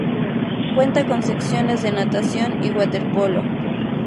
Cuenta con secciones de natación y waterpolo.